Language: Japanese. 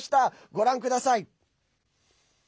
ご覧ください。